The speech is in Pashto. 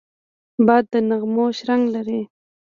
باد د نغمو شرنګ لري